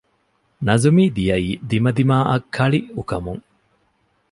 ނަޒުމީ ދިޔައީ ދިމަދިމާއަށް ކަޅިއުކަމުން